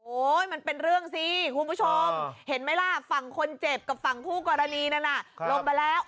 มันเป็นเรื่องสิคุณผู้ชมเห็นไหมล่ะฝั่งคนเจ็บกับฝั่งคู่กรณีนั้นน่ะลงมาแล้ว